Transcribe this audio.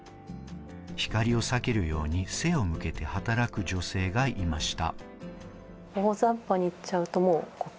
光を避けるように背を向けて働く女性がいました。